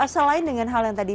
selain dengan hal yang tadi